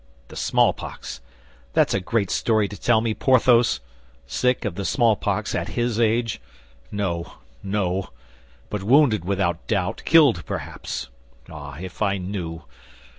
"The smallpox! That's a great story to tell me, Porthos! Sick of the smallpox at his age! No, no; but wounded without doubt, killed, perhaps. Ah, if I knew!